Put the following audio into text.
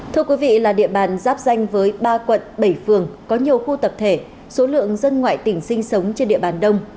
thưa quý vị là địa bàn giáp danh với ba quận bảy phường có nhiều khu tập thể số lượng dân ngoại tỉnh sinh sống trên địa bàn đông